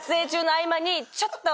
ちょっと。